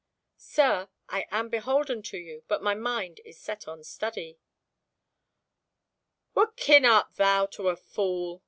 "Sir, I am beholden to you, but my mind is set on study." "What kin art thou to a fool?"